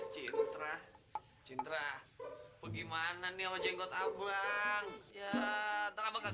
cintra cintra bagaimana nih abang